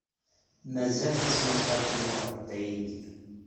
Mazal tasnasɣalt-inu ɣer Dda Yidir.